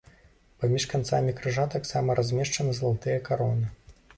Паміж канцамі крыжа таксама размешчаны залатыя кароны.